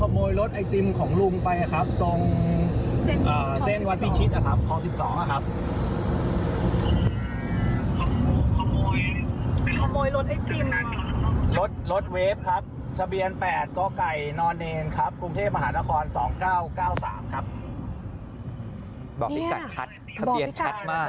บอกพี่กัดชัดทะเบียนชัดมาก